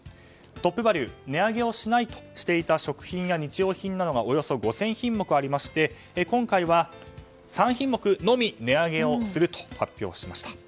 トップバリュ値上げをしないとしていた食品や日用品などがおよそ５０００品目ありまして今回は３品目のみ値上げをすると発表しました。